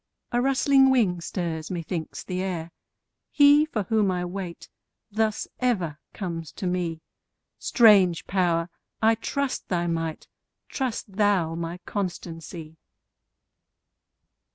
a rustling wing stirs, methinks, the air: He for whom I wait, thus ever comes to me; Strange Power! I trust thy might; trust thou my constancy.